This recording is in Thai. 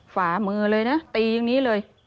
ฝ่ามือเลยนะตีอย่างนี้เลย